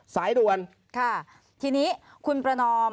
สายด่วน